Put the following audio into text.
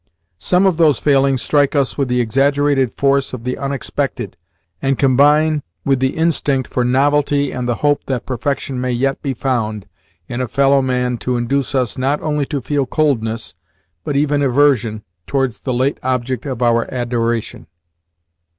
Some of those failings strike us with the exaggerated force of the unexpected, and combine with the instinct for novelty and the hope that perfection may yet be found in a fellow man to induce us not only to feel coldness, but even aversion, towards the late object of our adoration.